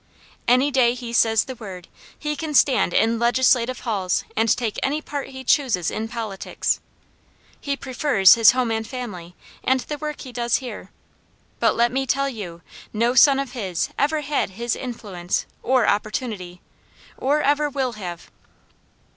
Any day he says the word, he can stand in legislative halls, and take any part he chooses in politics. He prefers his home and family, and the work he does here, but let me tell you, no son of his ever had his influence or opportunity, or ever will have."